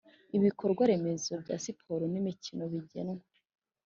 Ibikorwaremezo bya siporo n imikino bigenwa